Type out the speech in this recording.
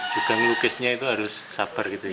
cukang lukisnya itu harus sabar gitu ya